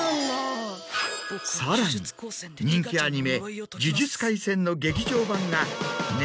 さらに人気アニメ『呪術廻戦』の。